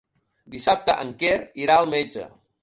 Dissabte en Quer irà al metge.